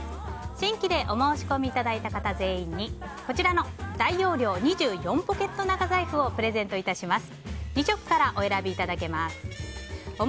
新規でお申し込みいただいた方全員に大容量２４ポケット長財布をプレゼントいたします。